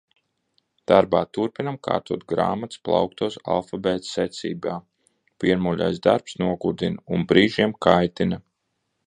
Darbā turpinām kārtot grāmatas plauktos alfabēta secībā. Vienmuļais darbs nogurdina un brīžiem kaitina.